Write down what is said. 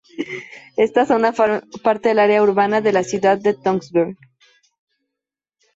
Esta zona forma parte del área urbana de la ciudad de Tønsberg.